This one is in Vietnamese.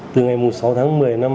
từ ngày sáu tháng một mươi